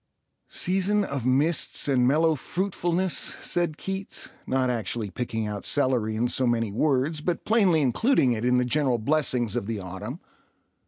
"Season of mists and mellow fruitfulness," said Keats, not actually picking out celery in so many words, but plainly including it in the general blessings of the autumn.